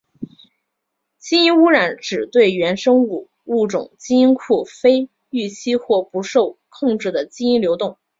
基因污染指对原生物种基因库非预期或不受控制的基因流动。